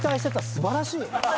素晴らしい！